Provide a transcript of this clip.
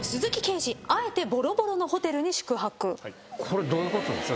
これどういうことですか？